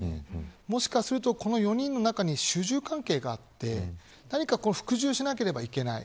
もしかすると、この４人の中に主従関係があって服従しなければいけない。